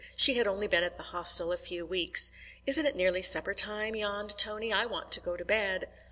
She had only been at the Hostel a few weeks. "Isn't it nearly supper time?" yawned Tony. "I want to go to bed."